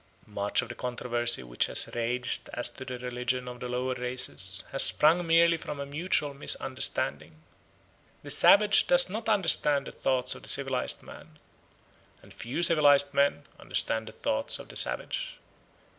Much of the controversy which has raged as to the religion of the lower races has sprung merely from a mutual misunderstanding. The savage does not understand the thoughts of the civilised man, and few civilised men understand the thoughts of the savage.